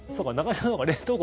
中居さん、冷凍庫